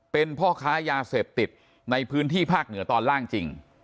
เป็นพ่อค้ายาเสพติดในพื้นที่ภาคเหนือตอนล่างจริง